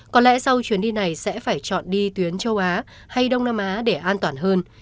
có lẽ sau chuyến đi này sẽ phải chọn đi tuyến châu á hay đông nam á để an toàn hơn